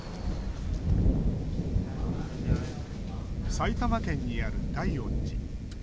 埼玉県にある大恩寺。